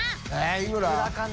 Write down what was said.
いくらかな？